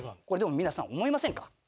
これでも皆さん思いませんか？